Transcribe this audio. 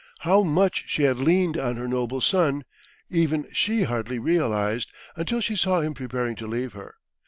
How much she had leaned on her noble son, even she hardly realised, until she saw him preparing to leave her.